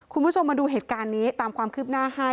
คุณผู้ชมมาดูเหตุการณ์นี้ตามความคืบหน้าให้